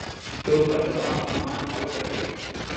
تۆ بەردەوام هەمان هەڵە دەکەیت.